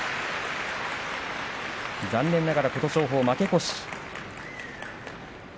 残念ながら琴勝峰、負け越し。